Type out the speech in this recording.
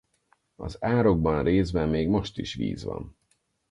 Az árokban részben még most is víz van.